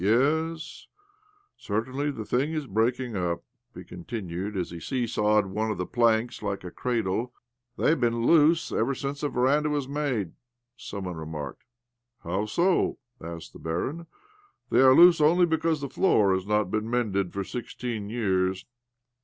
" Yes, certainly the thing is breaking up," he continued as he see sawed one of the planks like a cradle. " They have been loose ever since the veranda was made," some one remarked. " How so? " asked the barin ." They are OBLOMOV 129 loose only because the floor has not been mended for sixteen years